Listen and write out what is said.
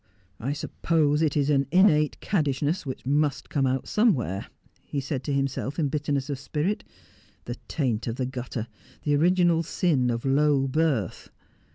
' I suppose it is an innate caddishness nhijh must come out somewhere,' he said to himself in bitterness of spirit. 'The taint of the gutter — the original sin of low birth.'